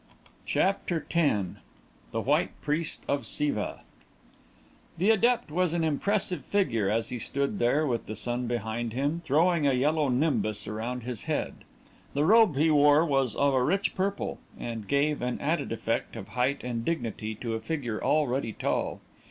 CHAPTER X THE WHITE PRIEST OF SIVA The adept was an impressive figure, as he stood there with the sun behind him, throwing a yellow nimbus around his head. The robe he wore was of a rich purple, and gave an added effect of height and dignity to a figure already tall.